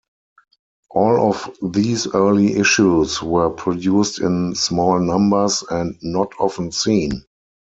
All of these early issues were produced in small numbers, and not often seen.